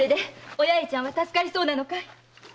お八重ちゃんは助かりそうなのかい？